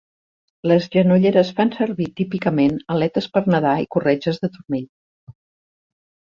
Les genolleres fan servir típicament aletes per nedar i corretges de turmell.